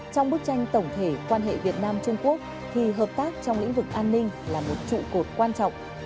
trong bức tranh tổng thể quan hệ việt nam trung quốc thì hợp tác trong lĩnh vực an ninh là một trụ cột quan trọng